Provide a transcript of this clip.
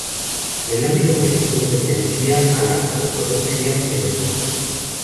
En el ámbito político, pertenecía a la ortodoxia peronista.